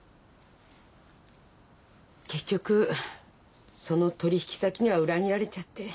結局その取引先には裏切られちゃって。